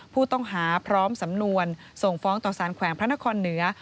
ผู้ต้องหาพร้อมสำนวนส่งฟ้องต่อสารแขวงพระนครเหนือ